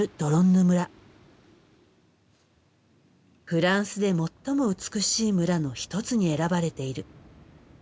「フランスで最も美しい村」の一つに選ばれている。